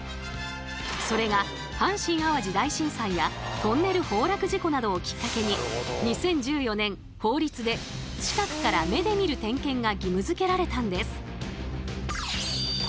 それが阪神・淡路大震災やトンネル崩落事故などをきっかけに２０１４年法律で近くから目で見る点検が義務づけられたんです。